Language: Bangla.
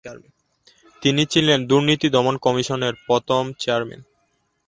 তিনি ছিলেন দুর্নীতি দমন কমিশনের প্রথম চেয়ারম্যান।